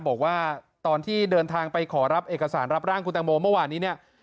บอกว่าตอนที่เดินทางไปขอรับเอกสารรับร่างคุณตังโมเมื่อวานนี้เนี่ย